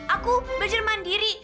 aku belajar mandiri